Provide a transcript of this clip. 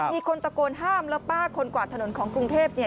มีคนตะโกนห้ามแล้วป้าคนกวาดถนนของกรุงเทพเนี่ย